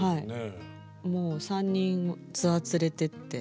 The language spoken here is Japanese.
もう３人ツアー連れてって。